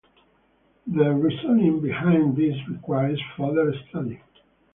The reasoning behind this requires further study.